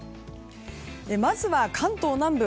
まず関東南部。